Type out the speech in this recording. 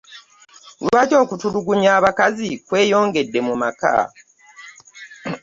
Lwaki okutulugunya abakazi kweyongede mu maka?